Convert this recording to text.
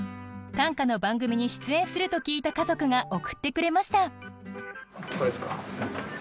短歌の番組に出演すると聞いた家族が送ってくれました。